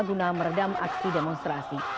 guna meredam aksi demonstrasi